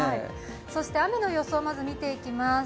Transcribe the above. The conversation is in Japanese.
雨の予想をまず見ていきます。